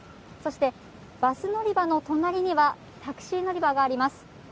そしてバス乗り場の隣にはタクシー乗り場があります。